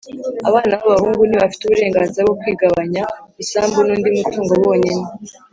abana b’abahungu ntibafite uburenganzira bwo kwigabanya isambu n’undi mutungo bonyine,